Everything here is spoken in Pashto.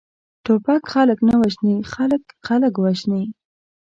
ټوپک خلک نه وژني، خلک، خلک وژني!